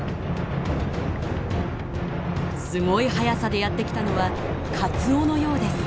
すごい速さでやって来たのはカツオのようです。